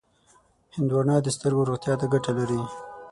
هندوانه د سترګو روغتیا ته ګټه لري.